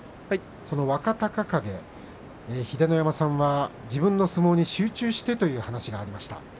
若隆景秀ノ山さんは自分の相撲に集中してという話がありました。